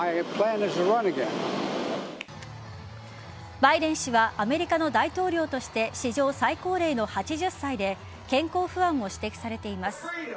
バイデン氏はアメリカの大統領として史上最高齢の８０歳で健康不安も指摘されています。